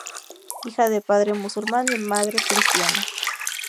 Hija de padre musulmán y madre cristiana.